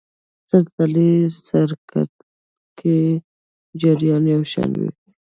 سلسلې سرکټ کې جریان یو شان وي.